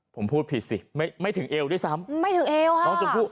ผมพูดผิดสิไม่ถึงเอวด้วยซ้ำไม่ถึงเอวค่ะ